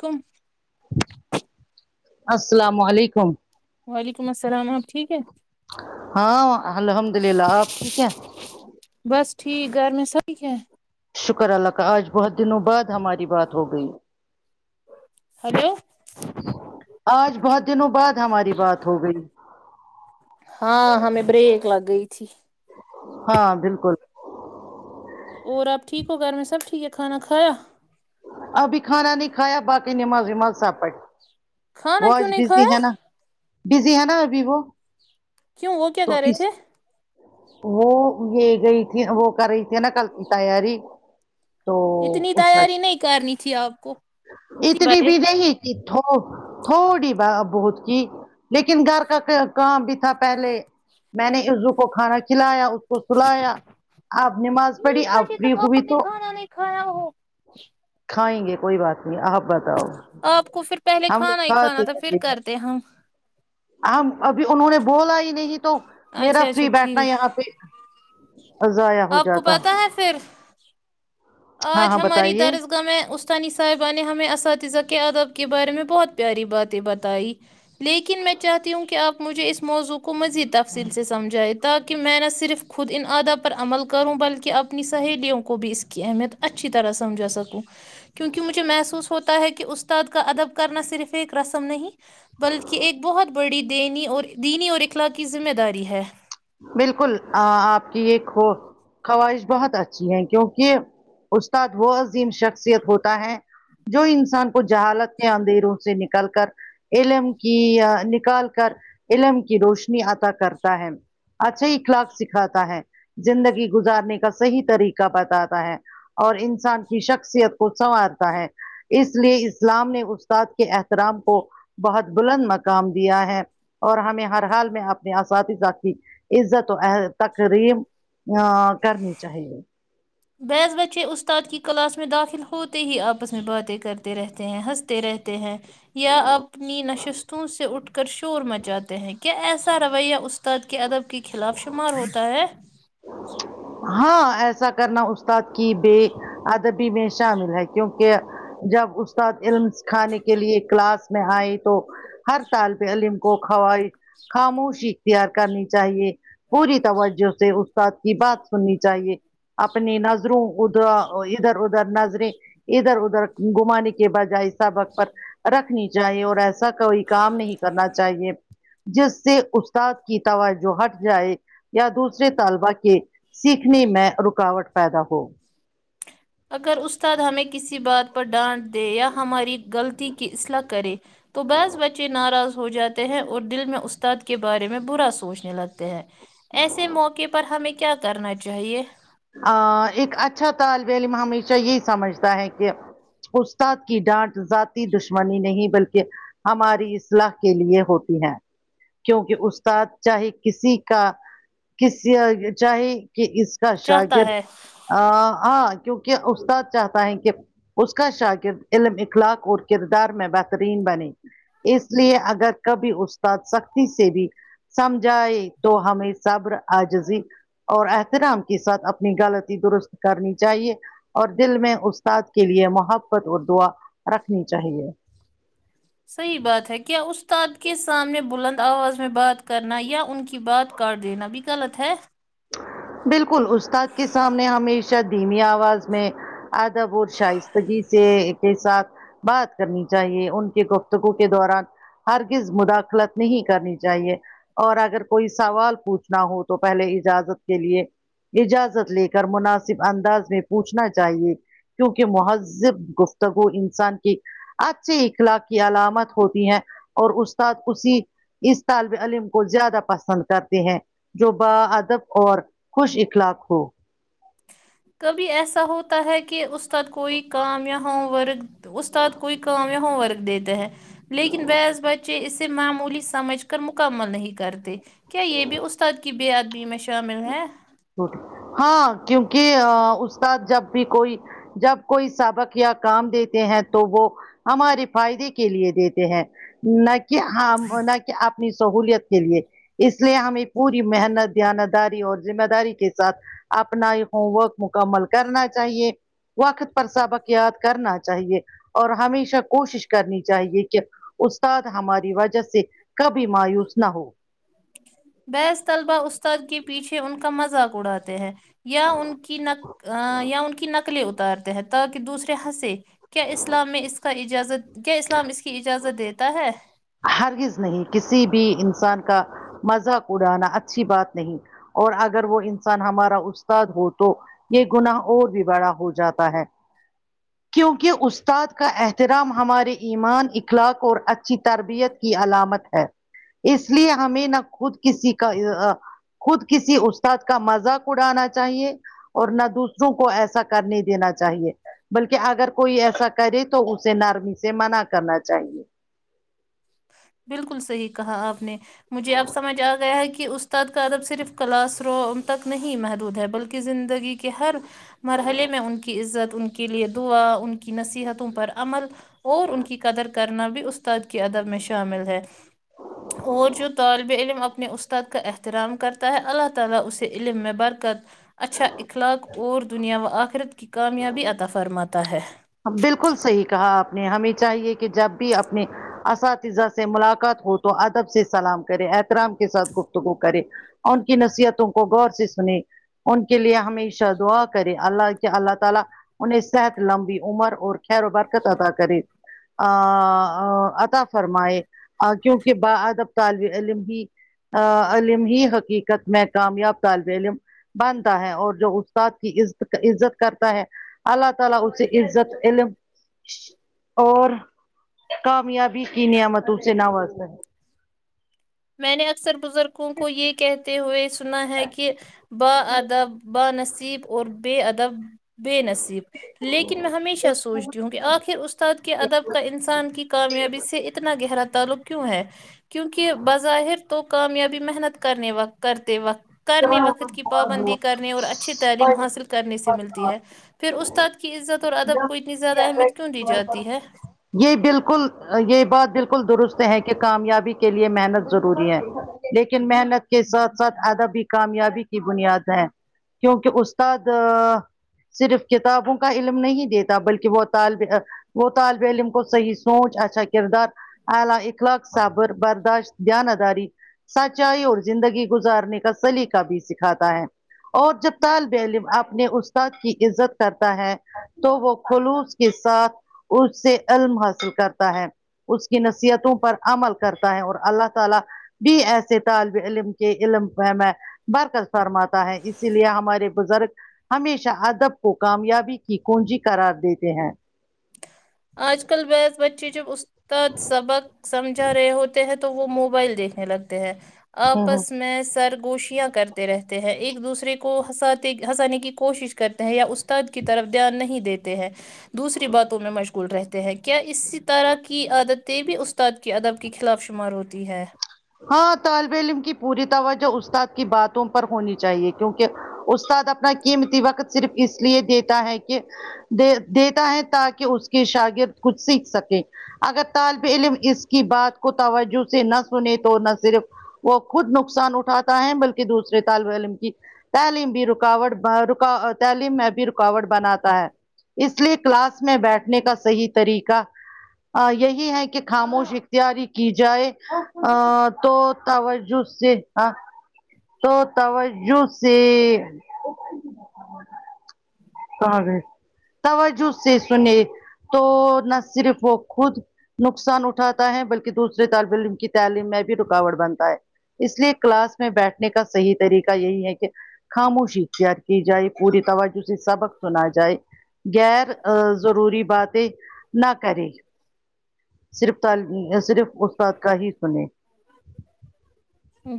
کم السلام علیکم وعلیکم السلام آپ ٹھیک ہے ہاں الحمد للہ آپ ٹھیک ہیں بس ٹھیک گھر میں سب ٹھیک ہے شکر اللہ کا آج بہت دنوں بعد ہماری بات ہو گئی ہلو آج بہت دنوں بعد ہماری بات ہو گئی ہاں ہمیں بریک لگ گئی تھی ہاں بالکل اور آپ ٹھیک ہو گھر میں سب ٹھیک ہے کھانا کھایا ابھی کھانا نہیں کھایا باقی نماز وماز سب پڑھ کھانا وہ کیوں آج نہیں بزی کھایا ہے نا بزی ہے نا ابھی وہ کیوں وہ کیا تو کر رہے اس تھے وہ یہ گئی تھی وہ کر رہی تھی نا کل کی تیاری تو اتنی اس تیاری نہیں کرنی تھی آپ کو اتنی بڑے بھی نہیں ک تھو تھوڑی ب بہت کی لیکن گھر کا کام بھی تھا پہلے میں نے آئیزو کو کھانا کھلایا کو سلایا آپ نماز پڑھی آپ فری ہوئی تو او کھائیں گے کوئی بات نہیں آپ بتاؤ آپ کو پھر پہلے ہم لوگ کھانا ایک ہم ابھی انہوں نے بولا ہی نہیں تو میرا اچھا اچھا فری بیٹھنا ٹھیک یہاں پہ ضائع ہو آپ کو جاتا پتا ہے پھر ہاں آج ہاں ہماری بتائیے درسگاہ میں اس استانی صاحبہ نے ہمیں اساتذہ کے آدب کے بارے میں بہت پیاری باتیں بتائی لیکن میں چاہتی ہوں کہ آپ مجھے اس موضوع کو مزید تفصیل سے سمجھائیں تاکہ میں نہ صرف خود ان آدب عمل کروں بلکہ اپنی سہیلیوں کو بھی اس کی اہمیت اچھی طرح سمجھا سکوں کیونکہ مجھے محسوس ہوتا ہے کہ استاد کا ادب کرنا صرف ایک رسم نہیں بلکہ ایک بہت بڑی دینی اور دینی اور اخلاق کی ذمہ داری ہے بالکل آپ کی یہ خواہش بہت اچھی ہے کیونکہ استاد وہ عظیم شخصیت ہوتا ہے جو انسان کو جہالت کے اندھیروں سے نکل کر علم کی نکال کر علم کی روشنی عطا کرتا ہے اچھا اخلاق سکھاتا ہے زندگی گزارنے کا صحیح طریقہ بتاتا ہے اور انسان کی شخصیت کو سنوارتا ہے اس لیے اسلام نے استاد کے احترام کو بہت بلند مقام دیا ہے اور ہمیں ہر حال میں اپنے اساتذہھی عزت تقریب ا کرنی چاہیے بعث بچے استاد کی کلاس میں داخل ہوتے ہی آپس میں باتیں کرتے رہتے ہیں ہنستے رہتے ہیں یا اپنی نشستوں سے اٹھ کر شور مچاتے ہیں کیا ایسا رویہ استاد کے ادب کے خلاف شمار ہوتا ہے ہاں ایسا کرنا استاد کی بے ادبی میں شامل ہے کیونکہ جب استاد علم سکھانے کے لیے کلاس میں آئے تو ہر طال پہ علیم کو خوائیش خاموشی اختیار کرنی چاہیے پوری توجہ سے استاد کی بات سنی چاہیے اپنی نظروں ادھر ادھر ادھر نظریں ادھر ادھر گھمانے کے بجائے سبق پر رکھنی چاہیے اور ایسا کوئی کام نہیں کرنا چاہیے جس سے استاد کی توجہ ہٹ جائے یا دوسرے طلبہ کے سیکھنی میں رکاوٹ پیدا ہو اگر استاد ہمیں کسی بات پر ڈانٹ دے یا ہماری غلطی کی اصلاح کرے تو بعض بچے ناراض ہو جاتے ہیں اور دل میں استاد کے بارے میں برا سوچنے لگتے ہیں ایسے موقعے پر ہمیں کیا کرنا چاہیے ا ایک اچھا طالب علم ہمیشہ یہی سمجھتا ہے کہ استاد کی ڈانٹ ذاتی دشمنی نہیں بلکہ ہماری اصلاح کے لیے ہوتی ہے کیونکہ استاد چاہے کسی کا کسی چاہے کہ اس اچھا چاہتا شاگرد ہے ا س کیونکہ استاد چاہتا ہے کہ اس کا شاگررد علم اخلاق اور کردار میں بہترین بنے اس لیے اگر کبھی استاد سختی سے بھی سمجھائے تو ہمیں صبر عاجزی اور احترام کے ساتھ اپنی غلطی درست کرنی چاہیے اور دل میں استاد کے لیے محبت اور دعا رکھنی چاہیے صحیح بات ہے کیا استاد کے سامنے بلند آواز میں بات کرنا یا ان کی بات کر دینا بھی غلط ہے بالکل استاد کے سامنے ہمیشہ دھیمی آواز میں آدبور شائستگی سے کے ساتھ بات کرنی چاہیے ان کے گفتگو کے دوران ہرگز مداخلت نہیں کرنی چاہیے اور اگر کوئی سوال پوچھنا ہو تو پہلے اجازت کے لیے اجازت لے کر مناسب انداز میں پوچھنا چاہیے کیونکہ مہذب گفتگو انسان کی اچھی اخلاق کی علامت ہوتی ہے اور استاد اسی اس طالب علم کو زیادہ پسند کرتے ہیں جو با آد دب اور خوش اخلاق ہو کبھی ایسا ہوتا ہے کہ استاد کوئی کام یا ہوم ورک تو استاد کوئی کام یا ہوم ورک دیتا ہے لیکن بعث بچے اسے معمولی سمجھ کر مکمل نہیں کرتے کیا یہ بھی استاد کی بے ادبی میں شامل ہیں ہاں کیونکہ ا استاد جب بھی کوئی جب کوئی سبق یا کام دیتے ہیں تو وہ ہمارے فائدے کے لیے دیتے ہیں نہ کہ ہم نہ کے اپنی سہولت کے لیے اس لیے ہمیں پوری محنت دھیان داری اور ذمہ داری کے ساتھ اپنا ہی ہوم ورک مکمل کرنا چاہیے وقت پر سبق یاد کرنا چاہیے اور ہمیشہ کوشش کرنی چاہیے کہ استاد ہماری وجہ سے کبھی مایوس نہ ہو بیحث طلبہ استاد کے پیچھے ان کا مذاق اڑاتے ہیں یا ان کی ن یا ان کی نق نقلیں اتارتے ہیں تاکہ دوسرے ہنسے کیا اسلام میں اس کا اجازت کیا اسلام اس کی اجازت دیتا ہے ہرگز نہیں کسی بھی انسان کا مزاق اڑانا اچھی بات نہیں اور اگر وہ انسان ہمارا استاد ہو تو یہ گناہ اور بھی بڑا ہو جاتا ہے کیونکہ استاد کا احترام ہمارے ایمان اخلاق اور اچھی ترب بیت کی علامت ہے اس لیے ہمیں نہ خود کسی کا آ خود کسی استاد کا مذاق اڑانا چاہیے اور نہ دوسروں کو ایسا کرنے دینا چاہیے بلکہ اگر کوئی ایسا کرے تو اسے نرمی سے منع کرنا چاہیے بالکل صحیح کہا آپ نے مجھے آب سمجھ آ گیا ہے کہ استاد کا ادب صرف کلاس روم تک نہیں محدود ہے بلکہ زندگی کہ ہر مرحلے میں ان کی عزت ان کے لئے دعا ان کی نصیحتوں پر عمل اور ان کی قدر کرنا بھی استاد کے ادب میں شامل ہے اور جو طالب علم اپنے استاد کا احترام کرتا ہے اللہ تعالی اسے علم میں برکت اچھا اخلاق اور دنیا و آخرت کی کامیابی عطا فرماتا ہے بالکل صحیح کہا آپ نے ہمیں چاہیے کہ جب بھی اپنے اساتذہ سے ملاقات ہو تو ادب سے سلام کرے احترام کے ساتھ گفتگو کرے ان کی نصیحتوں کو غور سے سنے ان کے لیے ہمیشہ دعا کرے اللہ کے اللہ تعالی انہیں صحت لمبی عمر اور خیر و برکت ادا کری ا عطا فرمائے کیونکہ با ادب طالب علم ہی ا علم ہی حقیقت میں کامیاب طالب علم بنتا ہے اور جو استاد کی عز عزت کرتا ہے اللہ تعالی اسے عزت علم اور کامیابی کی نعمتوں سے نوازتا ہے میں نے اکثر بزرگوں کو یہ کہتے ہوئے سنا ہے کہ با ادب با نصیب اور بے ادب بے نصیب لیکن میں ہمیشہ سوچتی ہوں کہ آخر استاد کے ادب کا انسان کی کامیابی سے اتنا گہرا تعلق کیوں ہے کیونکہ بظاہر تو کامیابی محنت کرنے وقت کرتے وقت کرنے وقت کی پابندی کرنے اور اچھی تعلیم حاصل کرنے سے ملتی ہے پھر استاد کی عزت اور ادب کو اتنی زیادہ اہمیت کیوں دی جاتی ہے یہ بالکل یہ بات بالکل درست ہے کہ کامیابی کے لیے محنت ضروری ہے لیکن محنت کے ساتھ ساتھ ادابی کامیابی کی بنیاد ہیں کیونکہ استاد صرف کتابوں کا علم نہیں دیتا بلکہ وہ طالب وہ طالب علم کو صحیح سوچ اچھا کردار آلا اخلاق سابر برداشت دیانت داری سچائی اور زندگی گزارنے کا سلیقہ بھی سکھاتا ہے اور جب طالب علم اپنے استاد کی عزت کرتا ہے تو وہ خلوص کے ساتھ اس سے علم حاصل کرتا ہے اس کی نصیحتوں پر عمل کرتا ہے اور اللہ تعالی بھی ایسے طالب علم کے علم میں برکت فرماتا ہے اسی لیے ہمارے بزرگ ہمیشہ ادب کو کامیابی کی کنجی قرار دیتے ہیں آج کل بعض بچے جب استاد سبق سمجھا رہے ہوتے ہیں تو وہ موبائل دیکھنے لگتے ہیں ہوں ہ آپس میں سرگوشیاں کرتے رہتے ہیں ایک دوسرے کو ہنساتے ہنسانے کی کوشش کرتے ہیں یا استاد کے کی طرف دھیان نہیں دیتے ہیں دوسری باتوں میں مشغول رہتے ہیں کیا اسی طرح کی عادتیں بھی استاد کے ادب کے خلاف شمار ہوتی ہے ہاں طالب علم کی پوری توجہ استاد کی باتوں پر ہونی چاہیے کیونکہ استاد اپنا قیمتی وقت صرف اس لیے دیتا ہے کہ د دیتا ہے تاکہ اس کے شاگرد کچھ سیکھ سکے اگر طالب علم اس کی بات کو توجہ سے نہ سنے تو نہ صرف وہ خود نقصان اٹھاتا ہے بلکہ دوسرے طالب علم کی تعلیم بھی رکاوٹ تعلیم میں بھی رکاوٹ بناتا ہے اس لیے کلاس میں بیٹھنے کا صحیح طریقہ یہی ہے کہ خاموشی اختیاری کی جائے تو توجہ سے ہاں تو توجہ سے [unintelligible] توجہ سے سنے تو نہ صرف وہ خود نقصان اٹھاتا ہے بلکہ دوسرے طالب علم کی تعلیم میں بھی رکاوٹ بنتا ہے اس لیے کلاس میں بیٹھ کا صحیح طریقہ یہی ہے کہ خاموشی اختیار کی جائے پوری توج سبق سنا جائے گیر ضروری باتیں نہ کرے صرف طالب صرف استاد کا ہی سنے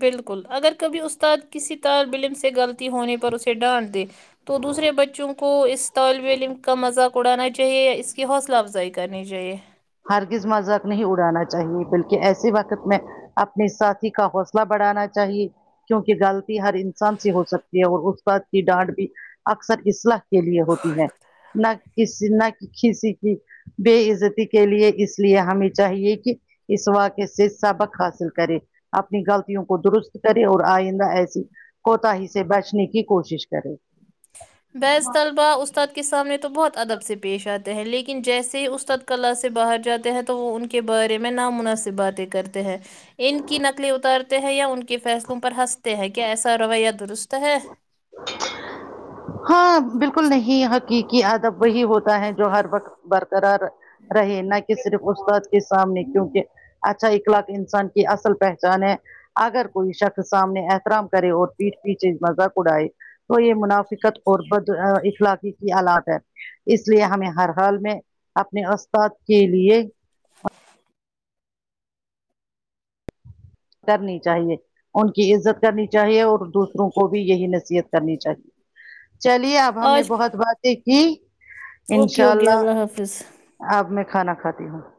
بالکل اگر کبھی استاد کسی طالب علم سے غلطی ہونے پر اسے ڈانٹ دے تو دوسرے بچوں کو اس طالب علم کا مذاق اڑانا چاہیے اس کی حوصلہ افزائی کرنی چاہیے ہارگز مذاق نہیں اڑانا چاہیے بلکہ ایسے وقت میں اپنے ساتھی کا حوصلہ بڑھانا چاہیے کیونکہ غلطی ہر انسان سے ہو سکتی ہے اور اس بات کی ڈانٹ بھی اکثر اصلاح کے لیے ہوتی ہے نہ کسی نہ کسی کی بےعزتی کے لیے اس لیے ہمیں چاہیے کہ اس واقعے سے سبق حاصل کرے اپنی غلطیوں کو درست کرے اور آئندہ ایسی کوتاہی سے بچنے کی کوشش کرے بعض طلبہ اس استاد کے سامنے تو بہت ادب سے پیش آتے ہیں لیکن جیسے ہی استاد کلاس سے باہر جاتے ہیں تو وہ ان کے کے بارے میں نامناسب باتیں کرتے ہیں ان کی نقلیں اتارتے ہیں یا ان کے فیصلوں پر ہنستے ہیں کیا ایسا رویہ درست ہے ہاں بالکل نہیں حقیقی ادب وہی ہوتا ہے جو ہر وقت بر قرار رہے نہ کہ صرف استاد کے سامنے کیونکہ اچھا اخلاق انسان کی اصل پہچان ہے اگر کوئی شخص سامنے احترام کرے اور پیٹھ پیچھے مذاق اڑائے تو یہ منافع فقط اور بد اخلاقی کی آلات ہے اس لیے ہمیں ہر حال میں اپنے استاد کے لیے کرنی چاہیے ان کی عزت کرنی چاہیے اور دوسروں کو بھی یہی نصیحت کرنی چاہیے چلیے اب ہم نے آج بہت باتیں کی ان اوکے شاء اوکے اللہ حافظ اب میں کھانا کھاتی ہوں